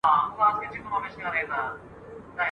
ویل خیر کړې درته څه پېښه ده ګرانه ..